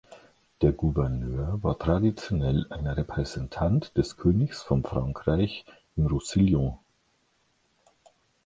Der Gouverneur war traditionell ein Repräsentant des Königs von Frankreich im Roussillon.